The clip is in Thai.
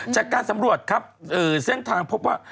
จากการสำรวจครับเส้นทางพบว่า